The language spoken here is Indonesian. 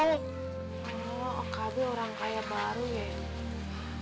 oh okb orang kaya baru ya